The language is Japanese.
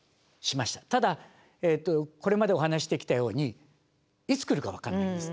ただこれまでお話ししてきたようにいつ来るか分からないんです。